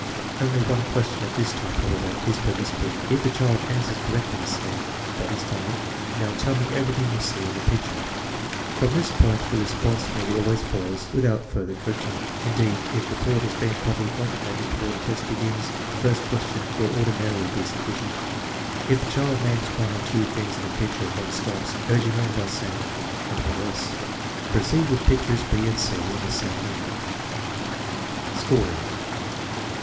Only one question of this type, however, is permissible. If the child answers correctly, say: " That is fine; now tell me everything you see in the picture" From this point the responses nearly always fol low without further coaxing. Indeed, if rapport has been properly cultivated before the test begins, the first ques tion will ordinarily be sufficient. If the child names one or two things in a picture and then stops, urge him on by say ing, "And what else?" Proceed with pictures b and c in the same manner. Scoring.